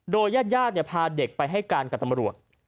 โดยญาติพาเด็กไปให้การกับตำรวจ